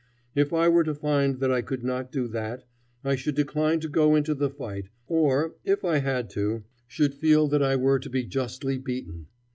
If I were to find that I could not do that, I should decline to go into the fight, or, if I had to, should feel that I were to be justly beaten.